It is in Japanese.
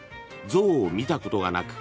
象を見たことがなく。